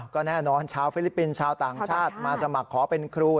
ก็แน่นอนชาวฟิลิปปินส์ชาวต่างชาติมาสมัครขอเป็นครู